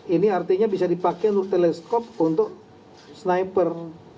ini artinya bisa dipakai untuk teleskop untuk sniper